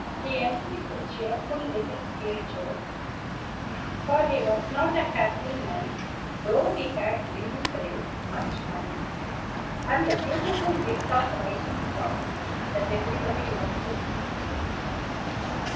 He envied the cheerful little creatures; for he wasn't a happy man, though he had many friends, much money, and the beautiful gift of writing songs that everybody loved to sing.